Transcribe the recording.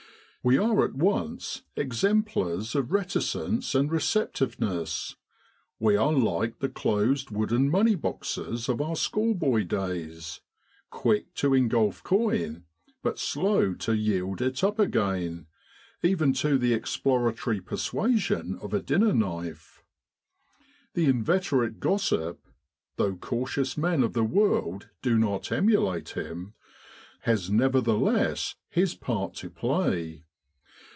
We are at once exemplars of reticence and receptiveness. We are like the closed wooden money boxes of our school boy days quick to engulf coin, but slow to yield it up again, even to the exploratory persuasion of a dinner knife. The inveterate gossip though cautious men of the world do not emulate him has nevertheless his part to play.